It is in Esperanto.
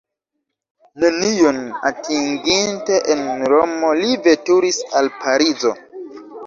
Nenion atinginte en Romo li veturis al Parizo.